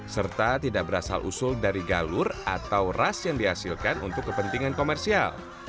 serta tidak berasal usul dari galur atau ras yang dihasilkan untuk kepentingan komersial